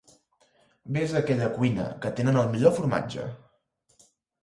Ves a aquella cuina, que tenen el millor formatge.